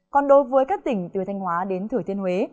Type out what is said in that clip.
còn đối với các tỉnh từ thanh hóa đến thừa thiên huế